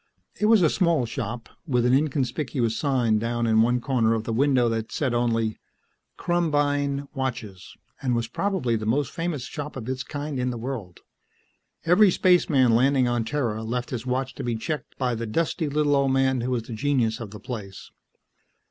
It was a small shop, with an inconspicuous sign down in one corner of the window that said only, "KRUMBEIN watches," and was probably the most famous shop of its kind in the world. Every spaceman landing on Terra left his watch to be checked by the dusty, little old man who was the genius of the place.